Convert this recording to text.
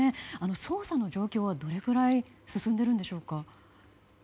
捜査の状況はどれくらい進んでいるんでしょうか。